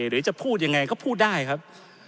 หรือจะพูดยังไงก็พูดได้ครับ